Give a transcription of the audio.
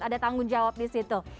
ada tanggung jawab di situ